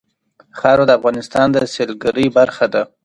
خاوره د افغانستان د سیلګرۍ برخه ده.